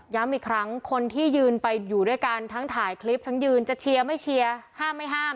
อีกครั้งคนที่ยืนไปอยู่ด้วยกันทั้งถ่ายคลิปทั้งยืนจะเชียร์ไม่เชียร์ห้ามไม่ห้าม